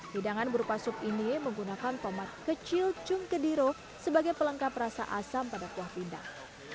hidangan berupa sup ini menggunakan tomat kecil cungkediro sebagai pelengkap rasa asam pada kuah pindang